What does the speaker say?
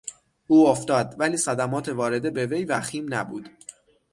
او افتاد ولی صدمات وارده به وی وخیم نبود.